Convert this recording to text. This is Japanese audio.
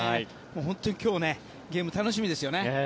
本当に今日のゲーム楽しみですね。